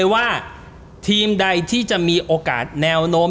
ว่าทีมใดที่จะมีโอกาสแนวโน้ม